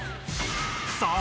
さあ！